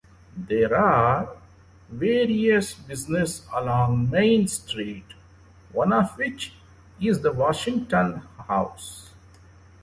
There are various business along Main Street one of which is the Washington House.